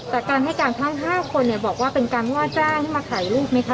แต่การให้การทั้ง๕คนบอกว่าเป็นการว่าจ้างให้มาถ่ายรูปไหมคะ